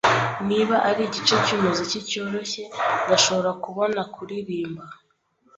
Niba ari igice cyumuziki cyoroshye, ndashobora kubona-kuririmba.